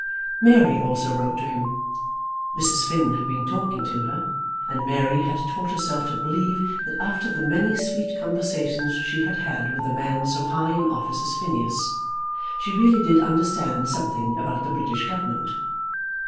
Mary also wrote to him. Mrs. Finn had been talking to her, and Mary had taught herself to believe that after the many sweet conversations she had had with a man so high in office as Phineas, she really did understand something about the British Government.